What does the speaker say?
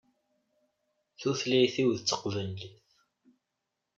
Tutlayt-iw d Taqbaylit.